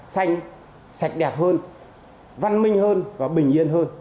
xanh sạch đẹp hơn văn minh hơn và bình yên hơn